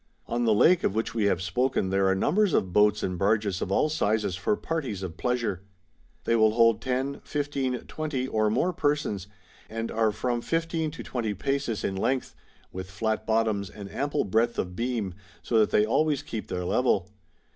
^ On the Lake of which we have spoken there are num bers of boats and barges of all sizes for parties of pleasure. These will hold lo, 15, 20, or more persons, and are from 13 to 20 paces in length, with flat bottoms and ample breadth of beam, so that they always keep their level.